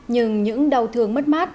nhưng những đau thương mất mát